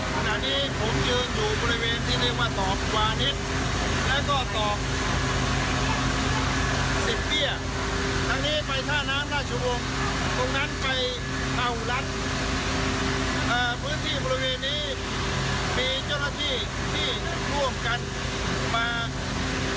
ผมยืนอยู่บริเวณที่เรียกว่าสอบกวานิชย์และก็สอบ